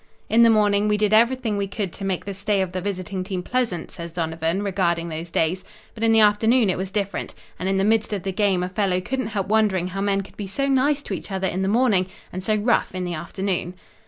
"In the morning we did everything we could to make the stay of the visiting team pleasant," says Donovan, regarding those days, "but in the afternoon it was different, and in the midst of the game a fellow couldn't help wondering how men could be so nice to each other in the morning and so rough in the afternoon."